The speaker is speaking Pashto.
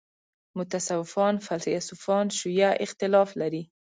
متصوفان فیلسوفان شیعه اختلاف لري.